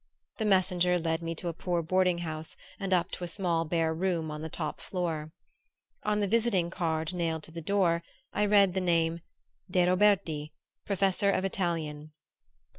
The messenger led me to a poor boarding house and up to a small bare room on the top floor. On the visiting card nailed to the door I read the name "De Roberti, Professor of Italian."